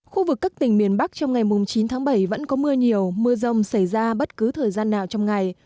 khu vực các tỉnh miền bắc trong ngày chín tháng bảy vẫn có mưa nhiều mưa rông xảy ra bất cứ thời gian nào trong ngày